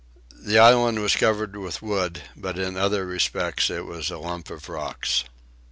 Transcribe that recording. The island was covered with wood, but in other respects it was a lump of rocks.